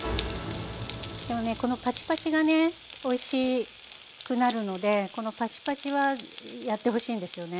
でもねこのパチパチがねおいしくなるのでこのパチパチはやってほしいんですよね。